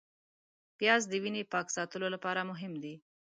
پیاز د وینې پاک ساتلو لپاره مهم دی